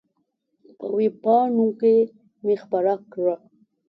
په وېب پاڼو کې مې خپره کړه.